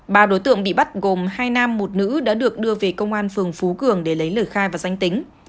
ba đối tượng bị bắt gồm hai nam một nữ đã được đưa về công an phường phú cường để lấy lời khai và danh tính